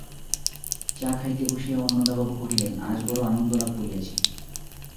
চা খাইতে বসিয়া অন্নদাবাবু কহিলেন, আজ বড়ো আনন্দলাভ করিয়াছি।